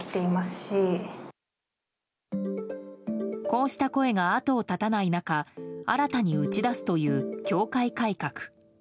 こうした声が後を絶たない中新たに打ち出すという教会改革。